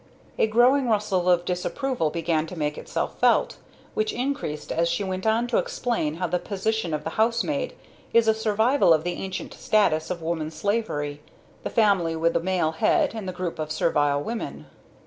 A growing rustle of disapproval began to make itself felt, which increased as she went on to explain how the position of the housemaid is a survival of the ancient status of woman slavery, the family with the male head and the group of servile women.